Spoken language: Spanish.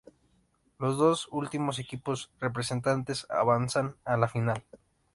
Los dos últimos equipos restantes avanzan a la Final.